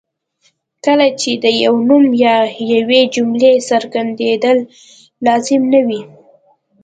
کله چې د یو نوم یا یوې جملې څرګندېدل لازم نه وي.